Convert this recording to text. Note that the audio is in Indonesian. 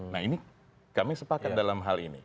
nah ini kami sepakat dalam hal ini